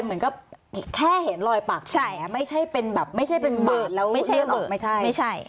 เหมือนแค่เห็นรอยปากแผลไม่ใช่เป็นแบบเบิดแล้วเลือดออกไม่ใช่